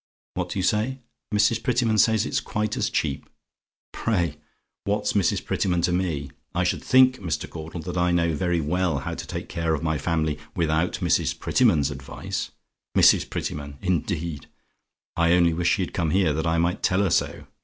What do you say? "MRS. PRETTYMAN SAYS IT'S QUITE AS CHEAP? "Pray, what's Mrs. Prettyman to me? I should think, Mr. Caudle, that I know very well how to take care of my family without Mrs. Prettyman's advice. Mrs. Prettyman, indeed! I only wish she'd come here, that I might tell her so!